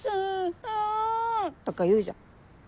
う！」とか言うじゃん。